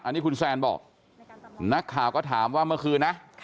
อันนี้คุณแซนบอกนักข่าวก็ถามว่าเมื่อคืนนะ